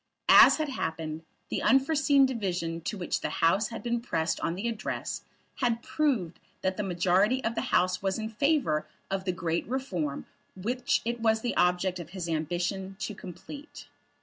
As had happened, the unforeseen division to which the House had been pressed on the Address had proved that the majority of the House was in favour of the great reform which it was the object of his ambition to complete.